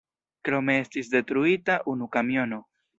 Krome estis detruita unu kamiono.